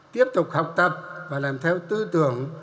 tiếp tục học tập và làm theo tư tưởng